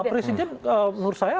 presiden menurut saya